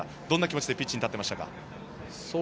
どんな気持ちでピッチに立っていましたか？